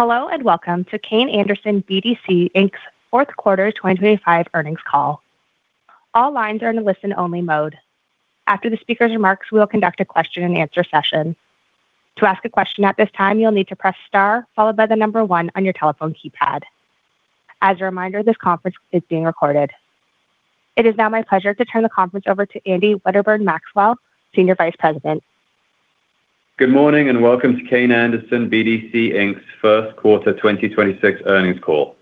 Hello, welcome to Kayne Anderson BDC, Inc's fourth quarter 2025 earnings call. All lines are in a listen only mode. After the speaker's remarks, we will conduct a question and answer session. To ask a question at this time, you'll need to press star followed by number one on your telephone keypad. As a reminder, this conference is being recorded. It is now my pleasure to turn the conference over to Andy Wedderburn-Maxwell, Senior Vice President. Good morning, and welcome to Kayne Anderson BDC, Inc.'s first quarter 2026 earnings call.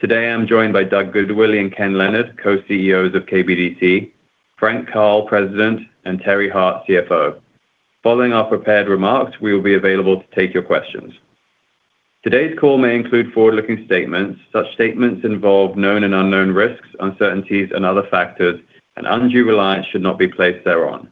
Today, I'm joined by Doug Goodwillie and Ken Leonard, Co-CEOs of KBDC, Frank Karl, President, and Terry Hart, CFO. Following our prepared remarks, we will be available to take your questions. Today's call may include forward-looking statements. Such statements involve known and unknown risks, uncertainties, and other factors, and undue reliance should not be placed thereon.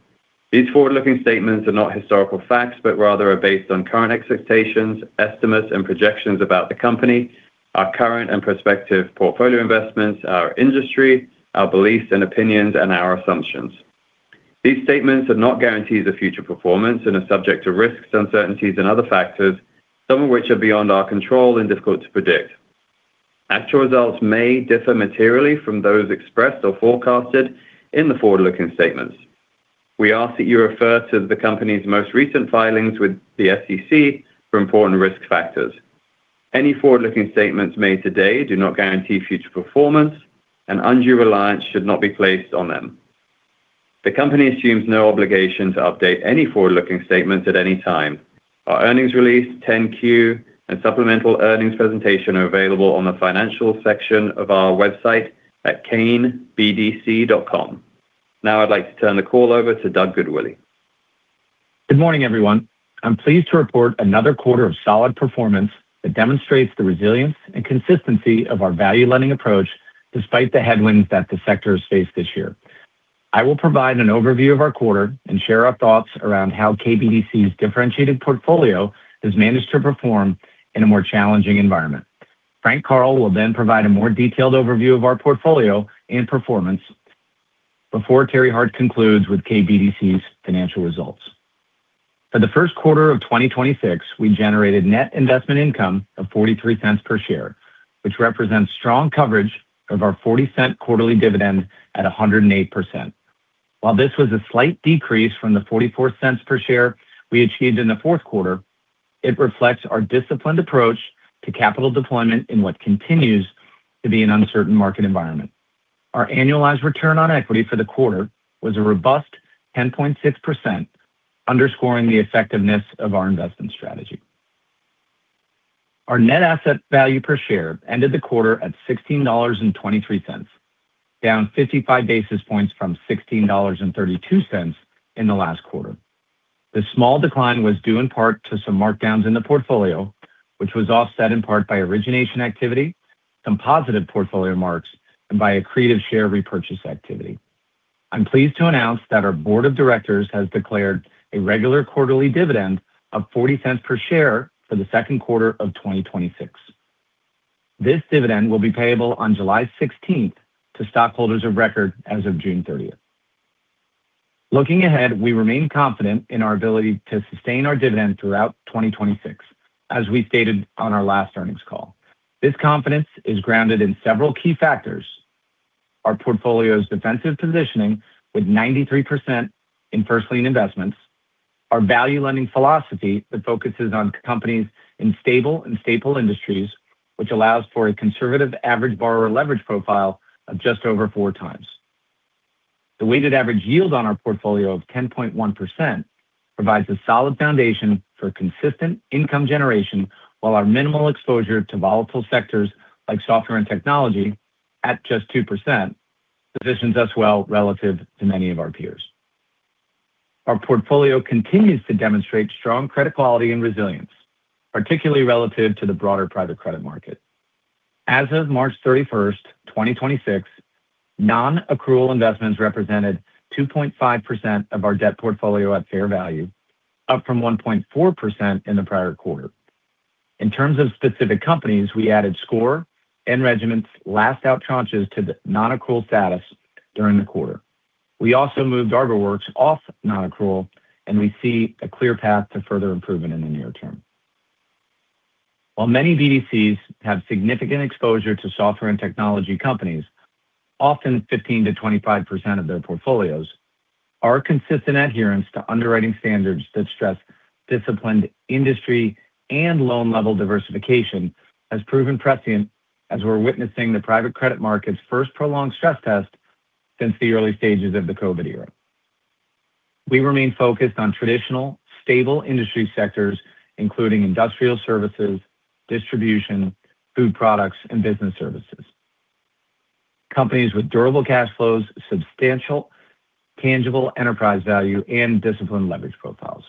These forward-looking statements are not historical facts, but rather are based on current expectations, estimates, and projections about the company, our current and prospective portfolio investments, our industry, our beliefs and opinions, and our assumptions. These statements are not guarantees of future performance and are subject to risks, uncertainties and other factors, some of which are beyond our control and difficult to predict. Actual results may differ materially from those expressed or forecasted in the forward-looking statements. We ask that you refer to the company's most recent filings with the SEC for important risk factors. Any forward-looking statements made today do not guarantee future performance, and undue reliance should not be placed on them. The company assumes no obligation to update any forward-looking statements at any time. Our earnings release, 10-Q, and supplemental earnings presentation are available on the financial section of our website at kaynebdc.com. Now I'd like to turn the call over to Doug Goodwillie. Good morning, everyone. I'm pleased to report another quarter of solid performance that demonstrates the resilience and consistency of our value lending approach despite the headwinds that the sector has faced this year. I will provide an overview of our quarter and share our thoughts around how KBDC's differentiated portfolio has managed to perform in a more challenging environment. Frank Karl will then provide a more detailed overview of our portfolio and performance before Terry Hart concludes with KBDC's financial results. For the first quarter of 2026, we generated net investment income of $0.43 per share, which represents strong coverage of our $0.40 quarterly dividend at 108%. While this was a slight decrease from the $0.44 per share we achieved in the fourth quarter, it reflects our disciplined approach to capital deployment in what continues to be an uncertain market environment. Our annualized return on equity for the quarter was a robust 10.6%, underscoring the effectiveness of our investment strategy. Our net asset value per share ended the quarter at $16.23, down 55 basis points from $16.32 in the last quarter. This small decline was due in part to some markdowns in the portfolio, which was offset in part by origination activity, some positive portfolio marks, and by accretive share repurchase activity. I'm pleased to announce that our board of directors has declared a regular quarterly dividend of $0.40 per share for the second quarter of 2026. This dividend will be payable on July 16th to stockholders of record as of June 30th. Looking ahead, we remain confident in our ability to sustain our dividend throughout 2026, as we stated on our last earnings call. This confidence is grounded in several key factors: our portfolio's defensive positioning with 93% in first lien investments, our value lending philosophy that focuses on companies in stable and staple industries, which allows for a conservative average borrower leverage profile of just over four times. The weighted average yield on our portfolio of 10.1% provides a solid foundation for consistent income generation while our minimal exposure to volatile sectors like software and technology at just 2% positions us well relative to many of our peers. Our portfolio continues to demonstrate strong credit quality and resilience, particularly relative to the broader private credit market. As of March 31st, 2026, non-accrual investments represented 2.5% of our debt portfolio at fair value, up from 1.4% in the prior quarter. In terms of specific companies, we added Score and Regiment's last out tranches to the non-accrual status during the quarter. We also moved ArborWorks off non-accrual, and we see a clear path to further improvement in the near term. While many BDCs have significant exposure to software and technology companies, often 15%-25% of their portfolios, our consistent adherence to underwriting standards that stress disciplined industry and loan level diversification has proven prescient as we're witnessing the private credit market's first prolonged stress test since the early stages of the COVID era. We remain focused on traditional, stable industry sectors, including industrial services, distribution, food products, and business services. Companies with durable cash flows, substantial tangible enterprise value, and disciplined leverage profiles.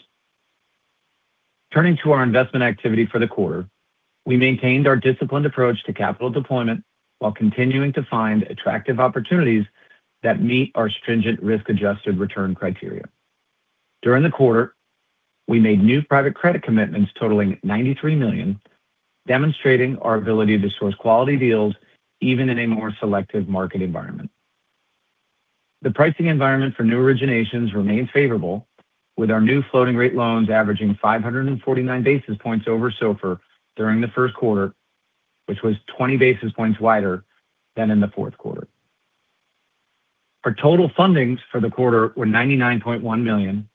Turning to our investment activity for the quarter, we maintained our disciplined approach to capital deployment while continuing to find attractive opportunities that meet our stringent risk-adjusted return criteria. During the quarter, we made new private credit commitments totaling $93 million, demonstrating our ability to source quality deals even in a more selective market environment. The pricing environment for new originations remains favorable, with our new floating-rate loans averaging 549 basis points over SOFR during the first quarter, which was 20 basis points wider than in the fourth quarter. Our total fundings for the quarter were $99.1 million,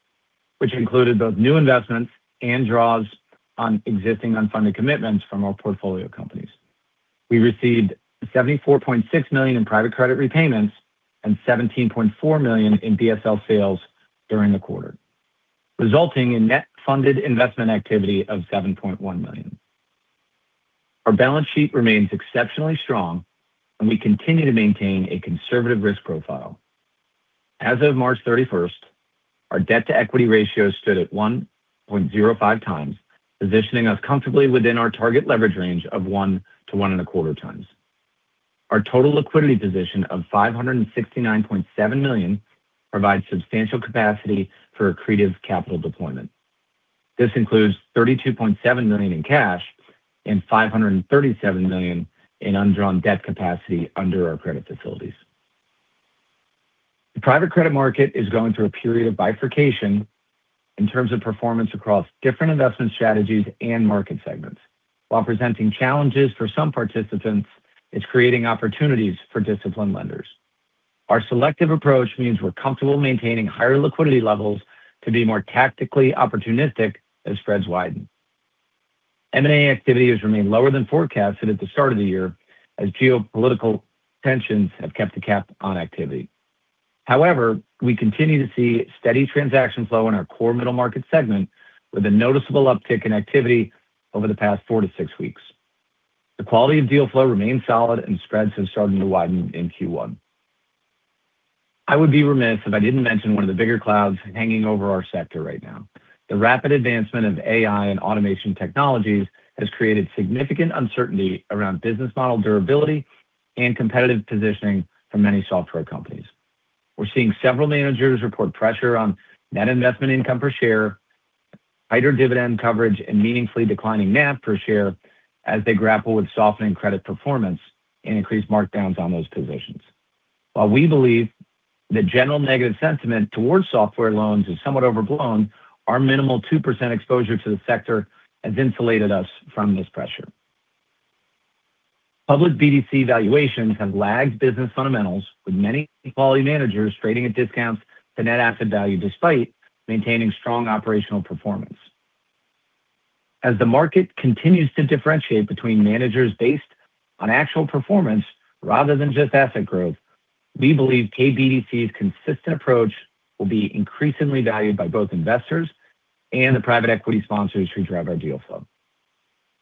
which included both new investments and draws on existing unfunded commitments from our portfolio companies. We received $74.6 million in private credit repayments and $17.4 million in BSL sales during the quarter, resulting in net funded investment activity of $7.1 million. Our balance sheet remains exceptionally strong, we continue to maintain a conservative risk profile. As of March 31st, our debt-to-equity ratio stood at 1.05x, positioning us comfortably within our target leverage range of 1x-1.25x. Our total liquidity position of $569.7 million provides substantial capacity for accretive capital deployment. This includes $32.7 million in cash and $537 million in undrawn debt capacity under our credit facilities. The private credit market is going through a period of bifurcation in terms of performance across different investment strategies and market segments. While presenting challenges for some participants, it's creating opportunities for disciplined lenders. Our selective approach means we're comfortable maintaining higher liquidity levels to be more tactically opportunistic as spreads widen. M&A activity has remained lower than forecasted at the start of the year as geopolitical tensions have kept a cap on activity. However, we continue to see steady transaction flow in our core middle market segment with a noticeable uptick in activity over the past four to six weeks. The quality of deal flow remains solid and spreads have started to widen in Q1. I would be remiss if I didn't mention one of the bigger clouds hanging over our sector right now. The rapid advancement of AI and automation technologies has created significant uncertainty around business model durability and competitive positioning for many software companies. We're seeing several managers report pressure on net investment income per share, higher dividend coverage, and meaningfully declining NAV per share as they grapple with softening credit performance and increased markdowns on those positions. While we believe the general negative sentiment towards software loans is somewhat overblown, our minimal 2% exposure to the sector has insulated us from this pressure. Public BDC valuations have lagged business fundamentals, with many quality managers trading at discounts to net asset value despite maintaining strong operational performance. As the market continues to differentiate between managers based on actual performance rather than just asset growth, we believe KBDC's consistent approach will be increasingly valued by both investors and the private equity sponsors who drive our deal flow.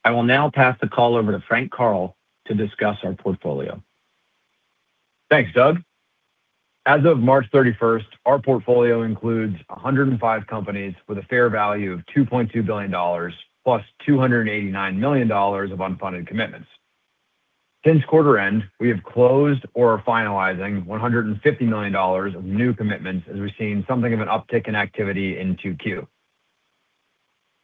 I will now pass the call over to Frank Karl to discuss our portfolio. Thanks, Doug. As of March 31st, our portfolio includes 105 companies with a fair value of $2.2 billion plus $289 million of unfunded commitments. Since quarter end, we have closed or are finalizing $150 million of new commitments as we've seen something of an uptick in activity in 2Q.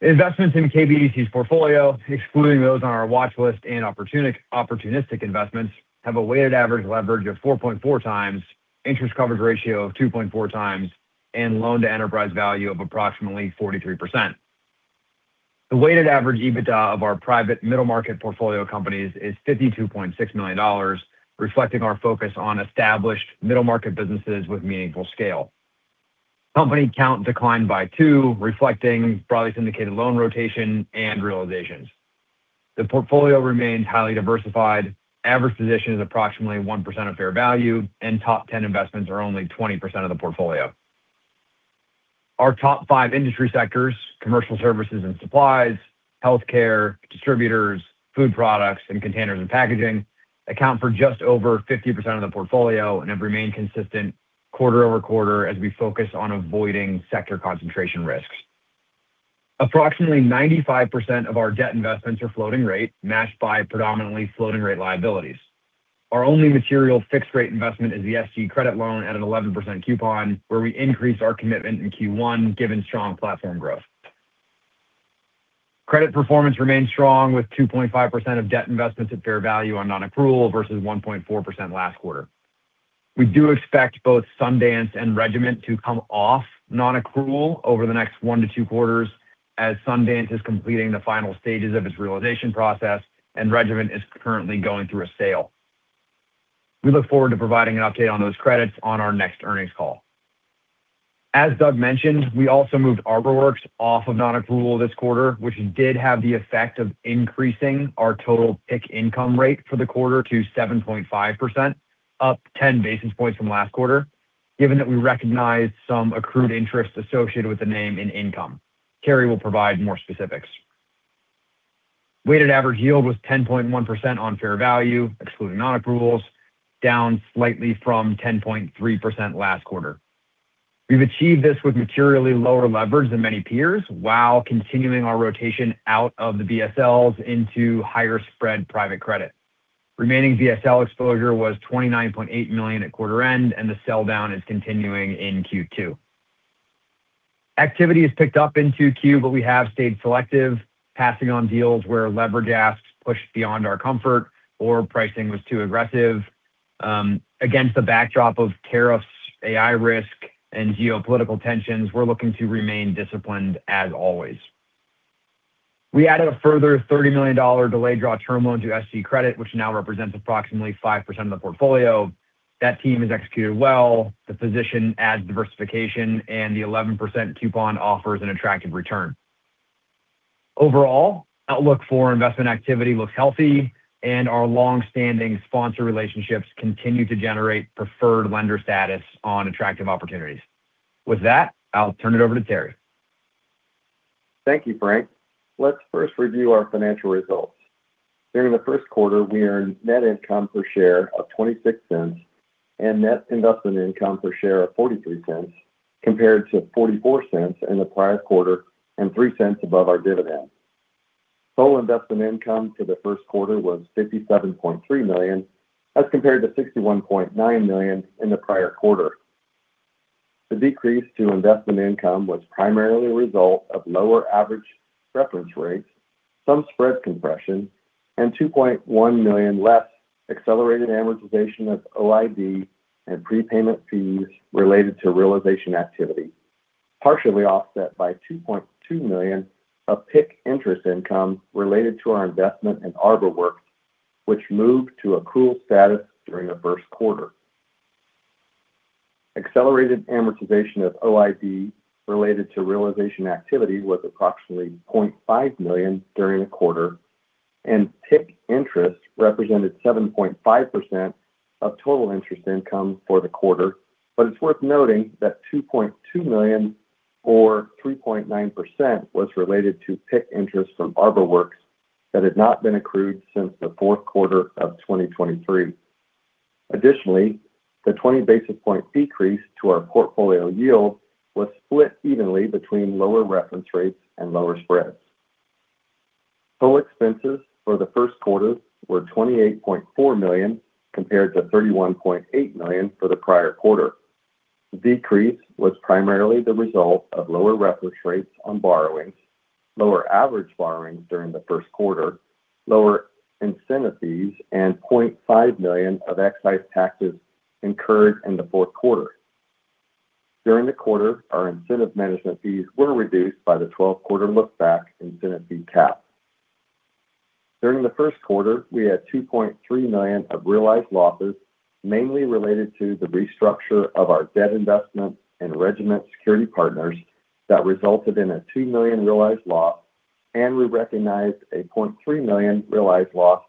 Investments in KBDC's portfolio, excluding those on our watch list and opportunistic investments, have a weighted average leverage of 4.4x, interest coverage ratio of 2.4x, and loan-to-enterprise value of approximately 43%. The weighted average EBITDA of our private middle market portfolio companies is $52.6 million, reflecting our focus on established middle market businesses with meaningful scale. Company count declined by two, reflecting broadly syndicated loan rotation and realizations. The portfolio remains highly diversified. Average position is approximately 1% of fair value, and top 10 investments are only 20% of the portfolio. Our top five industry sectors, commercial services and supplies, healthcare, distributors, food products, and containers and packaging, account for just over 50% of the portfolio and have remained consistent quarter-over-quarter as we focus on avoiding sector concentration risks. Approximately 95% of our debt investments are floating rate, matched by predominantly floating rate liabilities. Our only material fixed rate investment is the SG Credit loan at an 11% coupon, where we increased our commitment in Q1 given strong platform growth. Credit performance remains strong, with 2.5% of debt investments at fair value on non-accrual versus 1.4% last quarter. We do expect both Sundance and Regiment to come off non-accrual over the next one to two quarters as Sundance is completing the final stages of its realization process and Regiment is currently going through a sale. We look forward to providing an update on those credits on our next earnings call. As Doug mentioned, we also moved ArborWorks off of non-accrual this quarter, which did have the effect of increasing our total PIK income rate for the quarter to 7.5%, up 10 basis points from last quarter, given that we recognized some accrued interest associated with the name and income. Terry Hart will provide more specifics. Weighted average yield was 10.1% on fair value, excluding non-accruals, down slightly from 10.3% last quarter. We've achieved this with materially lower leverage than many peers while continuing our rotation out of the BSLs into higher spread private credit. Remaining BSL exposure was $29.8 million at quarter end, and the sell-down is continuing in Q2. Activity has picked up in Q2, but we have stayed selective, passing on deals where leverage gaps pushed beyond our comfort or pricing was too aggressive. Against the backdrop of tariffs, AI risk, and geopolitical tensions, we're looking to remain disciplined as always. We added a further $30 million delayed draw term loan to SG Credit, which now represents approximately 5% of the portfolio. That team has executed well. The position adds diversification, and the 11% coupon offers an attractive return. Overall, outlook for investment activity looks healthy, and our long-standing sponsor relationships continue to generate preferred lender status on attractive opportunities. With that, I'll turn it over to Terry. Thank you, Frank. Let's first review our financial results. During the first quarter, we earned net income per share of $0.26 and net investment income per share of $0.43 compared to $0.44 in the prior quarter and $0.03 above our dividend. Total investment income for the first quarter was $57.3 million as compared to $61.9 million in the prior quarter. The decrease to investment income was primarily a result of lower average reference rates, some spread compression, and $2.1 million less accelerated amortization of OID and prepayment fees related to realization activity, partially offset by $2.2 million of PIK interest income related to our investment in ArborWorks, which moved to accrual status during the first quarter. Accelerated amortization of OID related to realization activity was approximately $0.5 million during the quarter, and PIK interest represented 7.5% of total interest income for the quarter. It's worth noting that $2.2 million or 3.9% was related to PIK interest from ArborWorks that had not been accrued since the fourth quarter of 2023. Additionally, the 20 basis point decrease to our portfolio yield was split evenly between lower reference rates and lower spreads. Total expenses for the first quarter were $28.4 million compared to $31.8 million for the prior quarter. The decrease was primarily the result of lower reference rates on borrowings, lower average borrowings during the first quarter, lower incentive fees, and $0.5 million of excise taxes incurred in the fourth quarter. During the quarter, our incentive management fees were reduced by the 12-quarter look-back incentive fee cap. During the 1st quarter, we had $2.3 million of realized losses, mainly related to the restructure of our debt investment in Regiment Security Partners that resulted in a $2 million realized loss, and we recognized a $0.3 million realized loss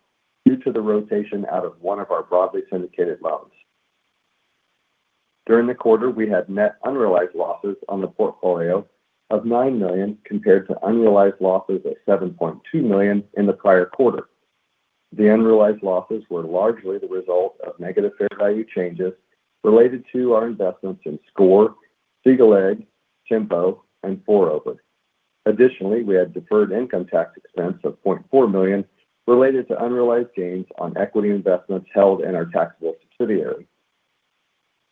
due to the rotation out of one of our broadly syndicated loans. During the quarter, we had net unrealized losses on the portfolio of $9 million compared to unrealized losses of $7.2 million in the prior quarter. The unrealized losses were largely the result of negative fair value changes related to our investments in Score, Seagleg, Tembo, and Four Oaks. Additionally, we had deferred income tax expense of $0.4 million related to unrealized gains on equity investments held in our taxable subsidiary.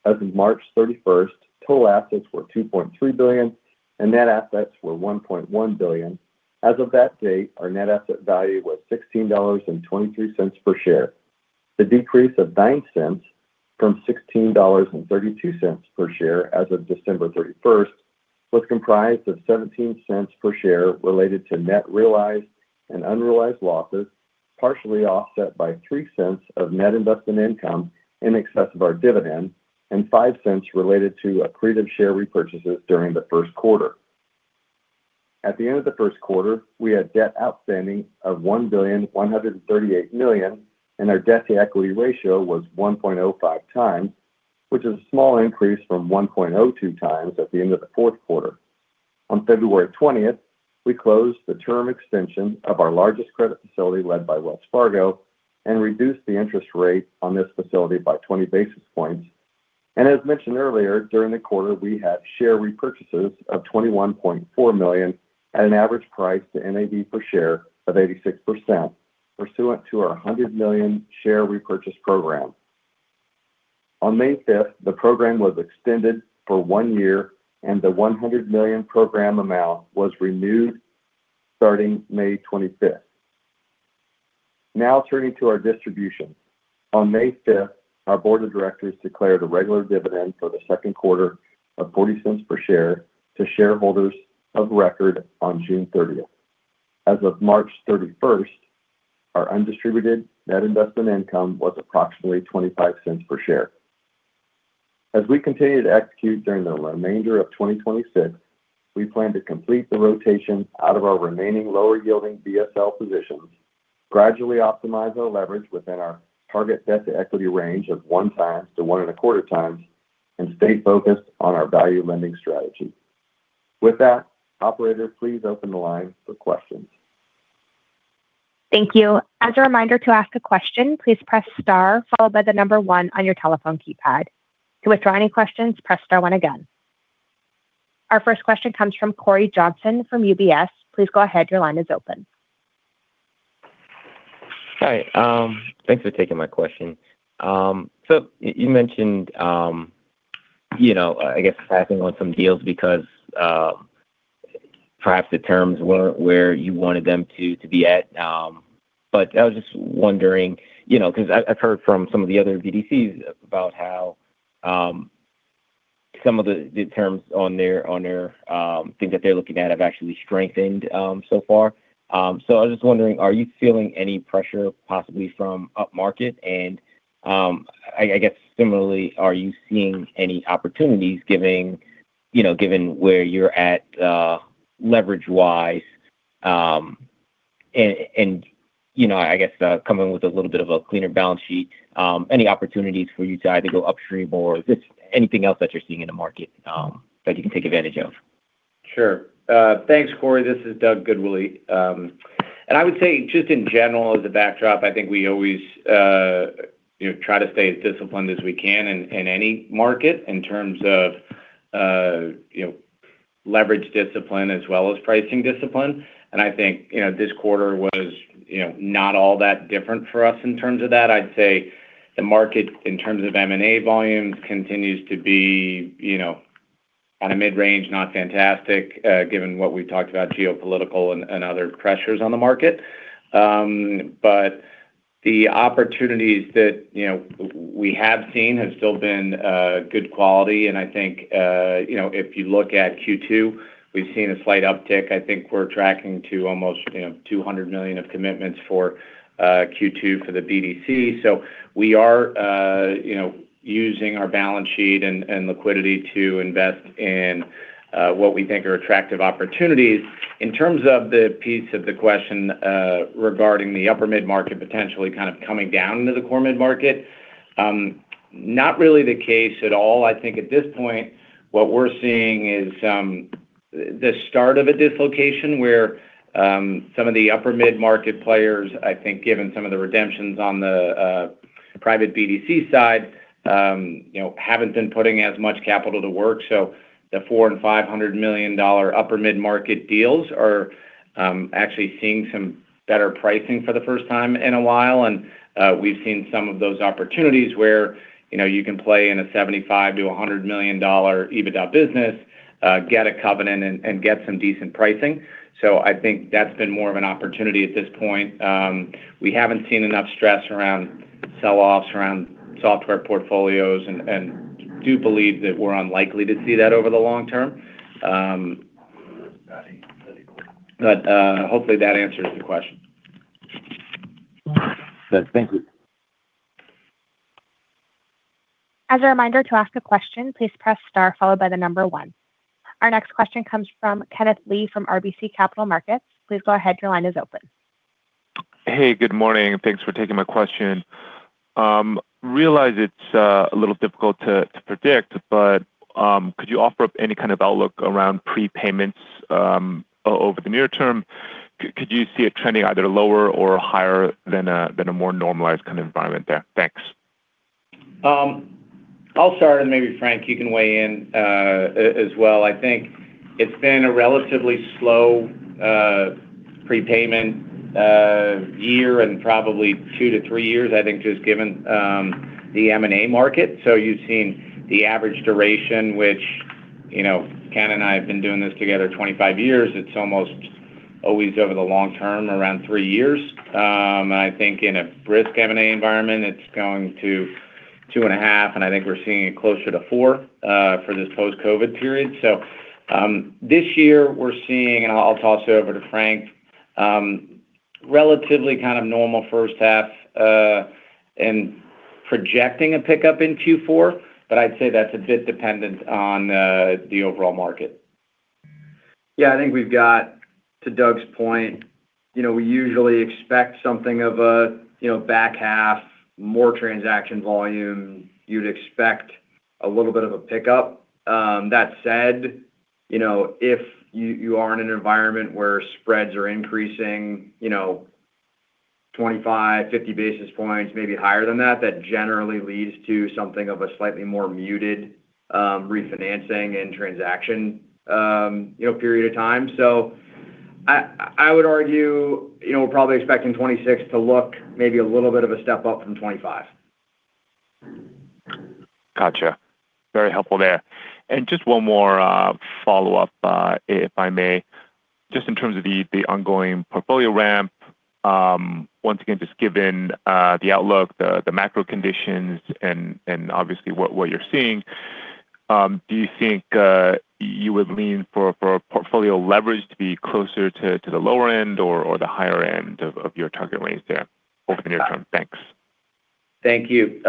As of March 31st, total assets were $2.3 billion, and net assets were $1.1 billion. As of that date, our net asset value was $16.23 per share. The decrease of $0.09 from $16.32 per share as of December 31st was comprised of $0.17 per share related to net realized and unrealized losses, partially offset by $0.03 of net investment income in excess of our dividend and $0.05 related to accretive share repurchases during the first quarter. At the end of the first quarter, we had debt outstanding of $1,138 million, and our debt-to-equity ratio was 1.05x, which is a small increase from 1.02x at the end of the fourth quarter. On February 20th, we closed the term extension of our largest credit facility led by Wells Fargo and reduced the interest rate on this facility by 20 basis points. As mentioned earlier, during the quarter, we had share repurchases of $21.4 million at an average price to NAV per share of 86% pursuant to our $100 million share repurchase program. On May 5th, the program was extended for one year, and the $100 million program amount was renewed starting May 25th. Now turning to our distribution. On May 5th, our board of directors declared a regular dividend for the second quarter of $0.40 per share to shareholders of record on June 30th. As of March 31st, our undistributed net investment income was approximately $0.25 per share. As we continue to execute during the remainder of 2026, we plan to complete the rotation out of our remaining lower-yielding BSL positions, gradually optimize our leverage within our target debt-to-equity range of 1x to 1.25x, and stay focused on our value lending strategy. With that, operator, please open the line for questions. Thank you. As a reminder to ask a question, please press star followed by number one on your telephone keypad. To withdraw any questions, press star one again. Our first question comes from Cory Johnson from UBS. Please go ahead. Your line is open. Hi. Thanks for taking my question. You mentioned, you know, I guess passing on some deals because perhaps the terms weren't where you wanted them to be at. I was just wondering, you know, 'cause I've heard from some of the other BDCs about how some of the terms on their things that they're looking at have actually strengthened so far. I was just wondering, are you feeling any pressure possibly from up market? I guess similarly, are you seeing any opportunities giving, you know, given where you're at, leverage-wise, and you know, I guess, coming with a little bit of a cleaner balance sheet, any opportunities for you to either go upstream or just anything else that you're seeing in the market that you can take advantage of? Sure. Thanks, Cory. This is Doug Goodwillie. I would say just in general as a backdrop, I think we always, you know, try to stay as disciplined as we can in any market in terms of, you know, leverage discipline as well as pricing discipline. I think, you know, this quarter was, you know, not all that different for us in terms of that. I'd say the market in terms of M&A volumes continues to be, you know, on a mid-range, not fantastic, given what we've talked about, geopolitical and other pressures on the market. The opportunities that, you know, we have seen have still been good quality. I think, you know, if you look at Q2, we've seen a slight uptick. I think we're tracking to almost, you know, $200 million of commitments for Q2 for the BDC. We are, you know, using our balance sheet and liquidity to invest in what we think are attractive opportunities. In terms of the piece of the question regarding the upper mid-market potentially kind of coming down into the core mid-market, not really the case at all. I think at this point, what we're seeing is the start of a dislocation where some of the upper mid-market players, I think given some of the redemptions on the private BDC side, you know, haven't been putting as much capital to work. The $400 million-$500 million dollar upper mid-market deals are actually seeing some better pricing for the first time in a while. We've seen some of those opportunities where, you know, you can play in a $75 million-$100 EBITDA business, get a covenant and get some decent pricing. I think that's been more of an opportunity at this point. We haven't seen enough stress around sell-offs, around software portfolios and do believe that we're unlikely to see that over the long term. Hopefully that answers the question. Yes. Thank you. As a reminder to ask a question, please press star followed by the number one. Our next question comes from Kenneth Lee from RBC Capital Markets. Please go ahead, your line is open. Hey, good morning, thanks for taking my question. Realize it's a little difficult to predict, but could you offer up any kind of outlook around prepayments over the near term? Could you see it trending either lower or higher than a more normalized kind of environment there? Thanks. I'll start and maybe Frank, you can weigh in as well. I think it's been a relatively slow prepayment year and probably two to three years, I think, just given the M&A market. You've seen the average duration, which, you know, Ken and I have been doing this together 25 years. It's almost always over the long term, around three years. I think in a risk M&A environment, it's going to two and a half, and I think we're seeing it closer to four for this post-COVID period. This year we're seeing, and I'll toss it over to Frank, relatively kind of normal first half, and projecting a pickup in Q4, but I'd say that's a bit dependent on the overall market. Yeah. I think we've got, to Doug's point, you know, we usually expect something of a, you know, back half more transaction volume. You'd expect a little bit of a pickup. That said, you know, if you are in an environment where spreads are increasing, you know, 25, 50 basis points, maybe higher than that generally leads to something of a slightly more muted refinancing and transaction, you know, period of time. I would argue, you know, we're probably expecting 2026 to look maybe a little bit of a step up from 2025. Gotcha. Very helpful there. Just one more follow-up, if I may. Just in terms of the ongoing portfolio ramp, once again, just given the outlook, the macro conditions and obviously what you're seeing, do you think you would lean for a portfolio leverage to be closer to the lower end or the higher end of your target range there over the near term? Thanks. Thank you.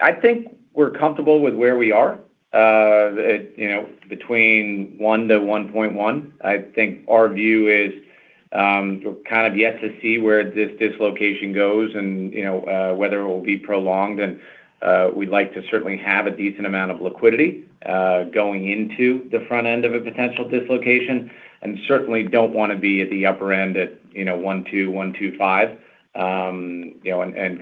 I think we're comfortable with where we are. You know, between 1 to 1.1. I think our view is, yet to see where this dislocation goes and, you know, whether it will be prolonged. We'd like to certainly have a decent amount of liquidity going into the front end of a potential dislocation, and certainly don't want to be at the upper end at, you know, 1.2, 1.25, you know, and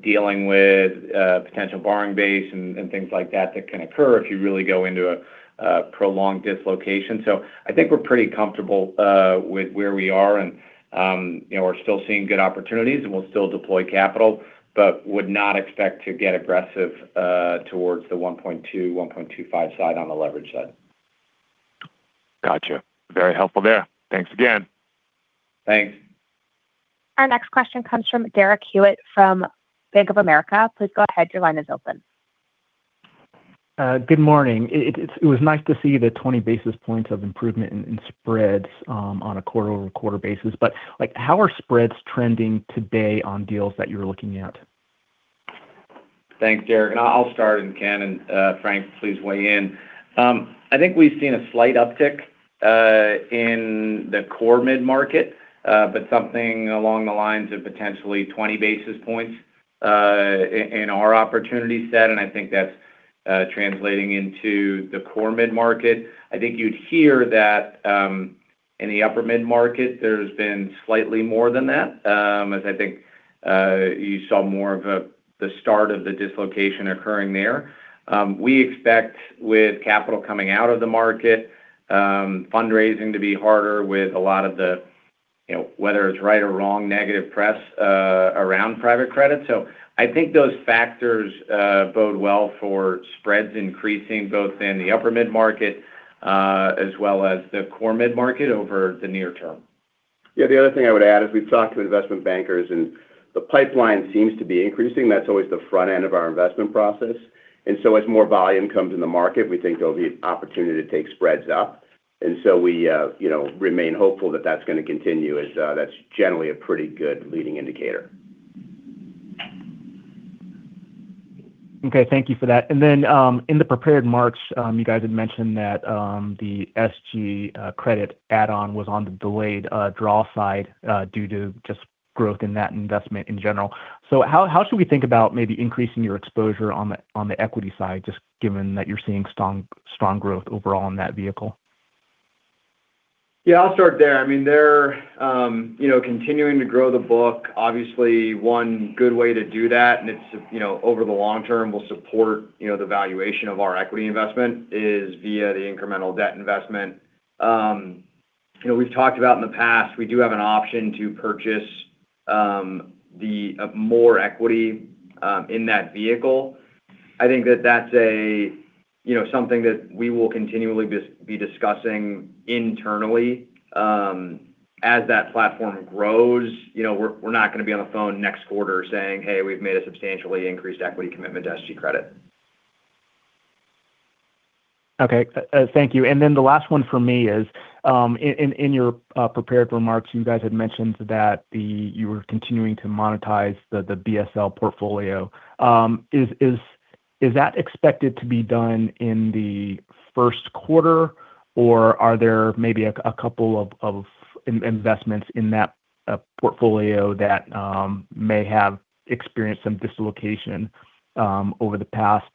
dealing with potential borrowing base and things like that that can occur if you really go into a prolonged dislocation. I think we're pretty comfortable with where we are, and, you know, we're still seeing good opportunities, and we'll still deploy capital, but would not expect to get aggressive towards the 1.2, 1.25 side on the leverage side. Gotcha. Very helpful there. Thanks again. Thanks. Our next question comes from Derek Hewett from Bank of America. Please go ahead, your line is open. Good morning. It was nice to see the 20 basis points of improvement in spreads on a quarter-over-quarter basis. Like, how are spreads trending today on deals that you're looking at? Thanks, Derek. I'll start, and Ken and Frank, please weigh in. I think we've seen a slight uptick in the core mid-market, but something along the lines of potentially 20 basis points in our opportunity set, and I think that's translating into the core mid-market. I think you'd hear that in the upper mid-market, there's been slightly more than that, as I think you saw more of the start of the dislocation occurring there. We expect with capital coming out of the market, fundraising to be harder with a lot of the, you know, whether it's right or wrong, negative press around private credit. I think those factors bode well for spreads increasing both in the upper mid-market, as well as the core mid-market over the near term. Yeah, the other thing I would add is we've talked to investment bankers, and the pipeline seems to be increasing. That's always the front end of our investment process. As more volume comes in the market, we think there'll be opportunity to take spreads up. We, you know, remain hopeful that that's gonna continue as that's generally a pretty good leading indicator. Okay, thank you for that. In the prepared remarks, you guys had mentioned that, the SG Credit add-on was on the delayed draw side, due to just growth in that investment in general. How should we think about maybe increasing your exposure on the equity side, just given that you're seeing strong growth overall in that vehicle? Yeah, I'll start there. I mean, they're, you know, continuing to grow the book. Obviously, one good way to do that, and it's, you know, over the long term will support, you know, the valuation of our equity investment, is via the incremental debt investment. You know, we've talked about in the past, we do have an option to purchase the more equity in that vehicle. I think that that's a, you know, something that we will continually be discussing internally as that platform grows. You know, we're not gonna be on the phone next quarter saying, "Hey, we've made a substantially increased equity commitment to SG Credit. Okay. Thank you. Then the last one from me is, in your prepared remarks, you guys had mentioned that you were continuing to monetize the BSL portfolio. Is that expected to be done in the first quarter, or are there maybe a couple of investments in that portfolio that may have experienced some dislocation over the past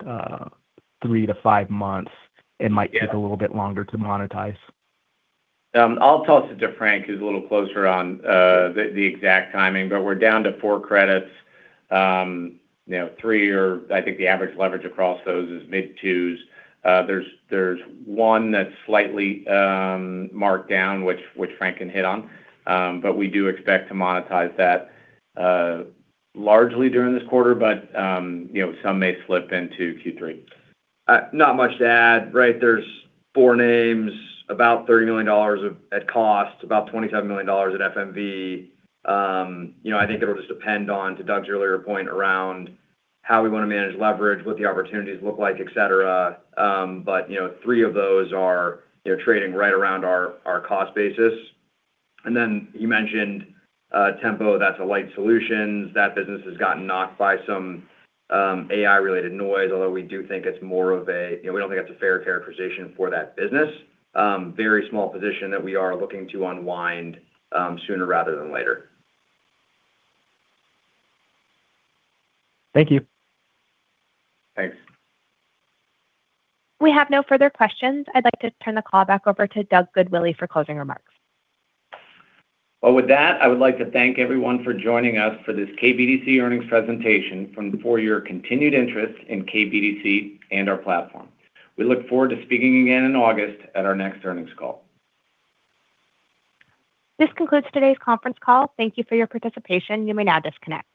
three to five months? Yeah take a little bit longer to monetize? I'll toss it to Frank, who's a little closer on the exact timing, but we're down to four credits. You know, three, I think the average leverage across those is mid 2s. There's one that's slightly marked down, which Frank can hit on. We do expect to monetize that largely during this quarter, but, you know, some may slip into Q3. Not much to add, right? There's four names, about $30 million of, at cost, about $27 million at FMV. You know, I think it'll just depend on, to Doug's earlier point, around how we wanna manage leverage, what the opportunities look like, et cetera. You know, three of those are, you know, trading right around our cost basis. You mentioned Tembo. That's Alight Solutions. That business has gotten knocked by some AI-related noise, although we do think it's more of a, you know, we don't think that's a fair characterization for that business. Very small position that we are looking to unwind sooner rather than later. Thank you. Thanks. We have no further questions. I'd like to turn the call back over to Doug Goodwillie for closing remarks. Well, with that, I would like to thank everyone for joining us for this KBDC earnings presentation for your continued interest in KBDC and our platform. We look forward to speaking again in August at our next earnings call. This concludes today's conference call. Thank you for your participation. You may now disconnect.